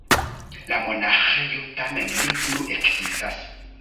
La monaĥejo tamen ne plu ekzistas.